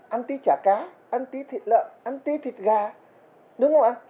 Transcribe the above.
ăn tí chả cá ăn tí thịt lợn ăn tí thịt gà đúng không ạ